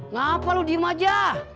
ngapain lu diem aja